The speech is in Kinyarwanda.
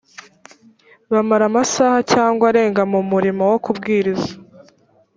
bamara amasaha cyangwa arenga mu murimo wo kubwiriza